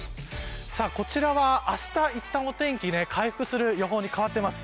こちらは、あしたいったんお天気回復する予報に変わっています。